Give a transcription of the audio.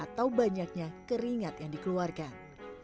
atau banyaknya keringat yang dikeluarkan